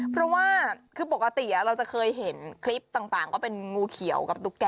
เพราะว่าคือปกติเราจะเคยเห็นคลิปต่างก็เป็นงูเขียวกับตุ๊กแก่